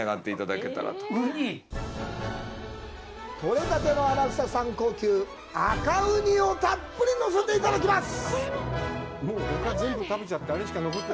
とれたての天草産・高級アカウニをたっぷりのせていただきます。